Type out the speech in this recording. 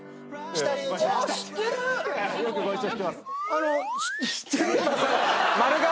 あの。